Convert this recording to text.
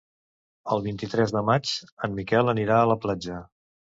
El vint-i-tres de maig en Miquel anirà a la platja.